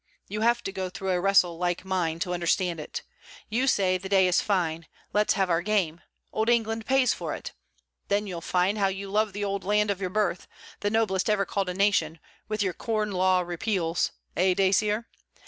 You have to go through a wrestle like mine to understand it. You say, the day is fine, let's have our game. Old England pays for it! Then you'll find how you love the old land of your birth the noblest ever called a nation! with your Corn Law Repeals! eh, Dacier?